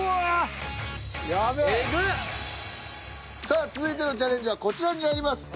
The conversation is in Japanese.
さあ続いてのチャレンジはこちらになります。